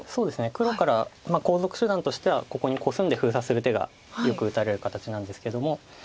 黒から後続手段としてはここにコスんで封鎖する手がよく打たれる形なんですけども。